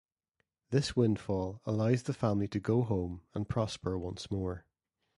This windfall allows the family to go home and prosper once more.